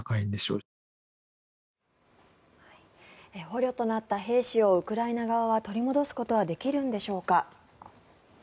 捕虜となった兵士をウクライナ側は取り戻すことはできるんでしょうか。